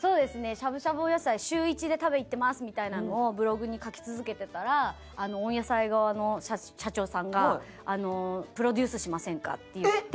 「しゃぶしゃぶ温野菜週１で食べ行ってます」みたいなのをブログに書き続けてたら温野菜側の社長さんが「プロデュースしませんか？」って言って。